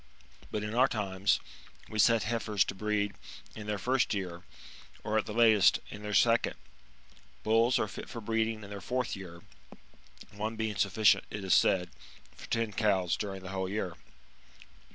But in our times, we set heifers to breed in their first year, or, at the latest, in their second. Bulls are fit for breeding in their fourth year ; one being sufficient, it is said, for ten cows during the whole year.